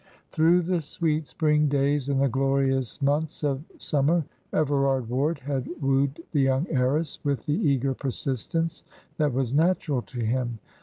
Through the sweet spring days and the glorious months of summer Everard Ward had wooed the young heiress with the eager persistence that was natural to him.